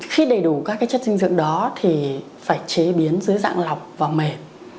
khi đầy đủ các chất dinh dưỡng đó thì phải chế biến dưới dạng lọc và mềm